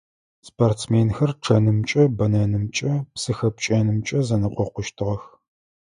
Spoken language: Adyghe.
Спортсменхэр чъэнымкӀэ, бэнэнымкӀэ, псы хэпкӀэнымкӀэ зэнэкъокъущтыгъэх.